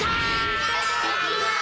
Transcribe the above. いただきます！